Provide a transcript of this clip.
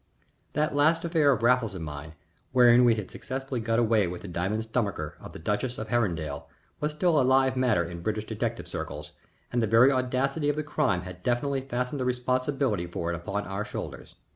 That last affair of Raffles and mine, wherein we had successfully got away with the diamond stomacher of the duchess of Herringdale, was still a live matter in British detective circles, and the very audacity of the crime had definitely fastened the responsibility for it upon our shoulders.